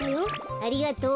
ありがとう。